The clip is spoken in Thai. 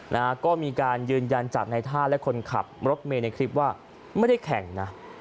นะฮะก็มีการยืนยันจากในท่าและคนขับรถเมย์ในคลิปว่าไม่ได้แข่งนะ